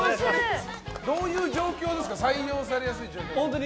どういう状況ですか採用されやすい状況って。